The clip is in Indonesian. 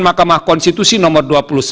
makamah konstitusi nomor dua puluh sembilan